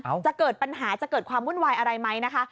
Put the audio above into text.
จะเกิดปัญหาจะเกิดความวุ่นวายอะไรไหมนะคะ